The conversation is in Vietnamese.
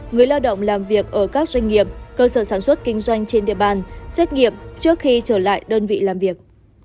người lao động làm việc ở các doanh nghiệp cơ sở sản xuất kinh doanh trên địa bàn xét nghiệm trước khi trở lại đơn vị làm việc